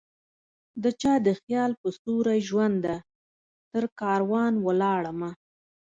دچا د خیال په سیوری ژونده ؛ ترکاروان ولاړمه